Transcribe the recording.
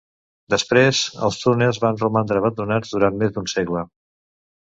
Després, els túnels van romandre abandonats durant més d'un segle.